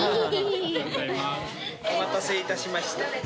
お待たせいたしました。